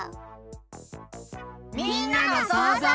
みんなのそうぞう。